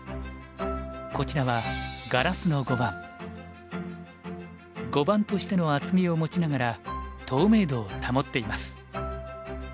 こちらは碁盤としての厚みを持ちながら透明度を保っています。